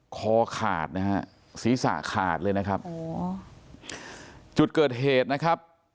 คอขาดนะฮะศีรษะขาดเลยนะครับโอ้โหจุดเกิดเหตุนะครับ